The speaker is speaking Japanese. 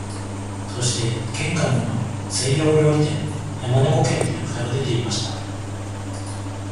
そして玄関には西洋料理店、山猫軒という札がでていました